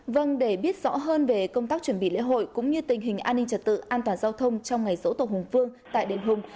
vâng để biết rõ hơn về công tác chuẩn bị lễ hội cũng như tình hình an ninh trật tự an toàn giao thông trong ngày sổ tổ hùng vương tại đền hùng